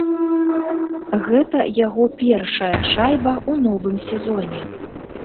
Гэта яго першая шайба ў новым сезоне.